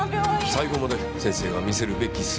最後まで先生が見せるべき姿だと。